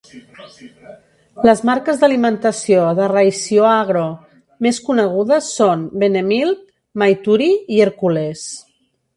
Les marques d'alimentació de Raisioagro més conegudes són Benemilk, Maituri i Hercules.